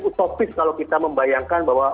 utopis kalau kita membayangkan bahwa